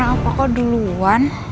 bapak kenapa kok duluan